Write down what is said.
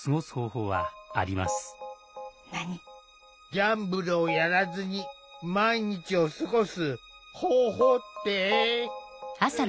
ギャンブルをやらずに毎日を過ごす方法って？